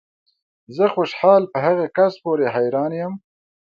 زه خوشحال په هغه کس پورې حیران یم